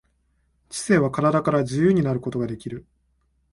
知性は身体から自由になることができる。